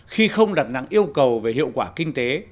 khi không đặt nặng yêu cầu về hiệu quả kinh tế